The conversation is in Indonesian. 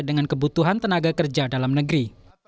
dengan kebutuhan tenaga kerja dalam negeri